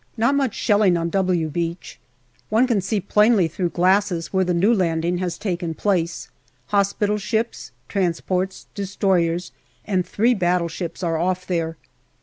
Not much shelling on " W " Beach. One can see plainly through glasses where the new landing has taken place ; hospital ships, transports, destroyers, and three battleships are off there.